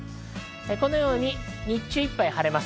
このように日中いっぱい晴れます。